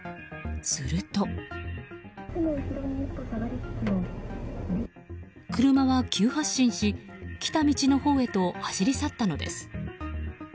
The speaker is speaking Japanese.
すると車が急発進し、来た道のほうへと走り去ったのです。